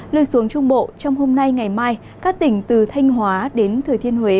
lời xuống trung bộ trong hôm nay ngày mai các tỉnh từ thanh hóa đến thời thiên huế